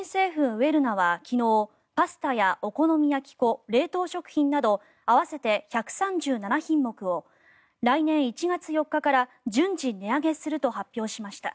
ウェルナは昨日パスタやお好み焼き粉冷凍食品など合わせて１３７品目を来年１月４日から順次値上げすると発表しました。